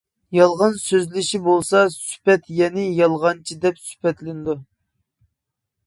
يالغان سۆزلىشى بولسا سۈپەت يەنى يالغانچى دەپ سۈپەتلىنىدۇ.